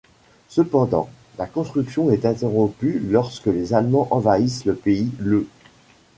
Cependant, la construction est interrompue lorsque les Allemands envahissent le pays le .